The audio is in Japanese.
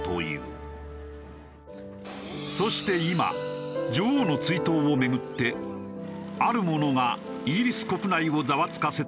そして今女王の追悼を巡ってあるものがイギリス国内をザワつかせているという。